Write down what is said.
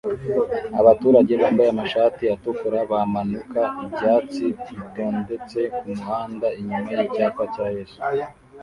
Abaturage bambaye amashati atukura bamanuka ibyatsi bitondetse kumuhanda inyuma yicyapa cya Yesu